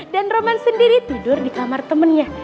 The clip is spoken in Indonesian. dan roman sendiri tidur di kamar temennya